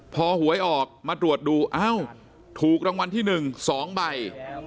พอหวยออกมาตรวจดูเอ้าถูกรางวัลที่๑๒ใบ